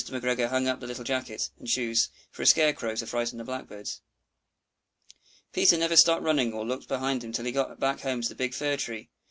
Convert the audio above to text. McGregor hung up the little jacket and the shoes for a scare crow to frighten the Blackbirds. Peter never stopped running or looked behind him till he got home to the big fir tree.